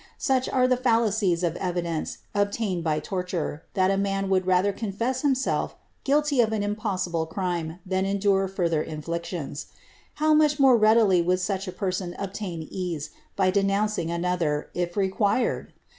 Such are the fallacies of evi dence obtained by torture, that a man would rather confess himself gnilty of an impossible crime than endure further inflictions. How much more readily would such a person obtain ease by denouncing another, if required